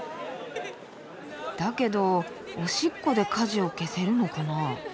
だけどおしっこで火事を消せるのかな？